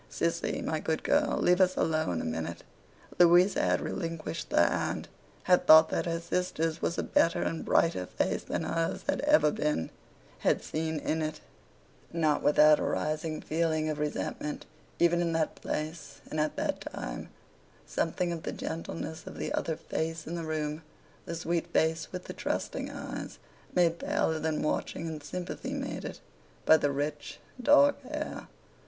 Sissy, my good girl, leave us alone a minute.' Louisa had relinquished the hand: had thought that her sister's was a better and brighter face than hers had ever been: had seen in it, not without a rising feeling of resentment, even in that place and at that time, something of the gentleness of the other face in the room; the sweet face with the trusting eyes, made paler than watching and sympathy made it, by the rich dark hair.